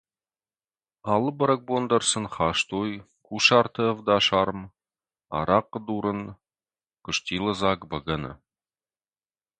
Алы бӕрӕгбон дӕр сын хастой кусарты ӕвдасарм, арахъхъы дурын, къуыстилы дзаг бӕгӕны.